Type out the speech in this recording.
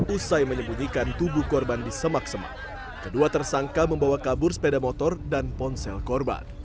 usai menyembunyikan tubuh korban di semak semak kedua tersangka membawa kabur sepeda motor dan ponsel korban